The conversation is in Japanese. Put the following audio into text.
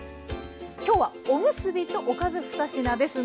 今日はおむすびとおかず２品です。